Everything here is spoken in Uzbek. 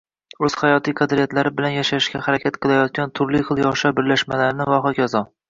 o‘z hayotiy qadriyatlari bilan yashashga harakat qilayotgan turli xil yoshlar birlashmalarini va hokazo.